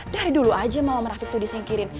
dari dulu aja mama sama rafiq tuh disingkirin